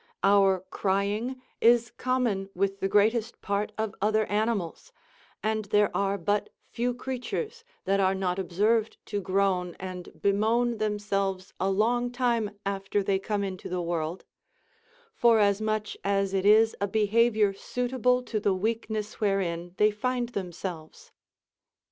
Our crying is common with the greatest part of other animals, and there are but few creatures that are not observed to groan, and bemoan themselves a long time after they come into the world; forasmuch as it is a behaviour suitable to the weakness wherein they find themselves.